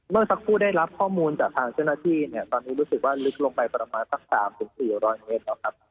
สักครู่ได้รับข้อมูลจากทางเจ้าหน้าที่เนี่ยตอนนี้รู้สึกว่าลึกลงไปประมาณสัก๓๔๐๐เมตรแล้วครับ